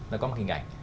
nó có một hình ảnh